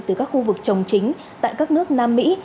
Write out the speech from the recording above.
từ các khu vực trồng chính tại các nước nam mỹ